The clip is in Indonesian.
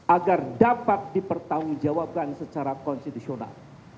agar dapat dipertanggungjawabkan secara konstitusional